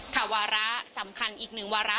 วาระสำคัญอีกหนึ่งวาระ